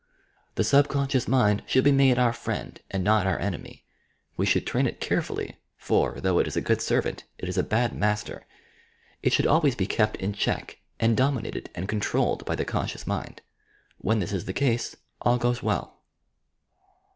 The subeonscioua mind should be made our friend and not our enemy. We should train it carefully, for, though it is a good servant, it is a bad master ! It should always be kept in check and dominated and con trolled by the conscious mind. When this is the case, all goes well.